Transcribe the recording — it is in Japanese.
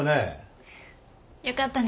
よかったね